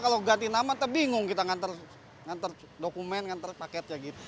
kalau ganti nama tuh bingung kita ngantar ngantar dokumen ngantar paketnya gitu